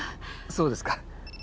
そうですか。